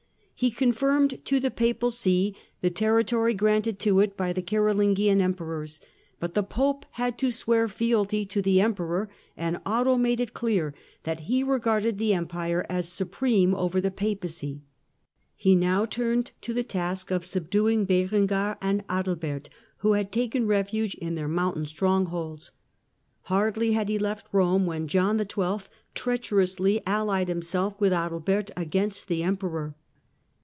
He confirmed to the Papal See Feb.X 962 the territory granted to it by the Carolingiim Emperors, but the Pope had to swear fealty to the Emperor, and Otto made it clear that he regarded the Empire as supreme over the Papacy. He now turned to the task of subduing Berengar and Adalbert, who had taken refuge in their mountain strongholds. Hardly had he left Eome when John XII. treacherously allied himself with Adalbert against the Emperor.